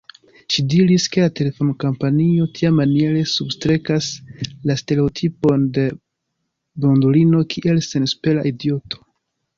Ŝi diris, ke la telefonkompanio tiamaniere substrekas la stereotipon de blondulino kiel senespera idioto.